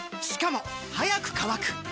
しかも速く乾く！